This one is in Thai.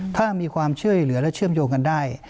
ถ้ามีความช่วยเหลือและเชื่อมโยงกันได้